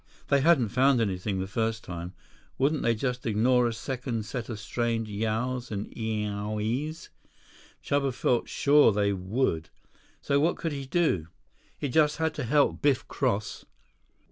They hadn't found anything the first time. Wouldn't they just ignore a second set of strange "Yows" and "Eeeee owieeees?" Chuba felt sure they would. So what could he do? He just had to help Biff cross.